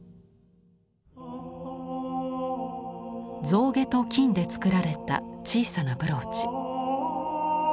象牙と金で作られた小さなブローチ。